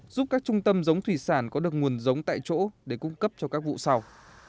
giúp các trung tâm giống thủy sản có được nguồn giống tại chỗ để cung cấp cho các vụ sau